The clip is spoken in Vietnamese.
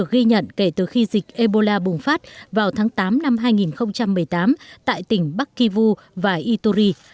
ghi nhận kể từ khi dịch ebola bùng phát vào tháng tám năm hai nghìn một mươi tám tại tỉnh bắc kivu và ituri